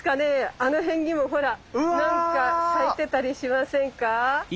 あの辺にもほら何か咲いてたりしませんか。